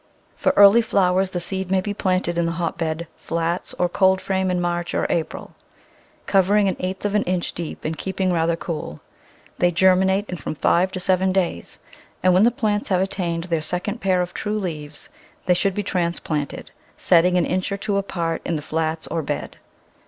For early flowers the seed may be planted in the hotbed, flats, or cold frame in March or April, cov Digitized by Google Ten] annual* from &eeti ">i ering an eighth of an inch deep and keeping rather cool. They germinate in from five to seven days, and when the plants have attained their second pair of true leaves they should be transplanted, setting an inch or two apart in the flats or bed.